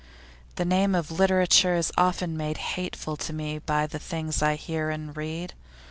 The name of literature is often made hateful to me by the things I hear and read.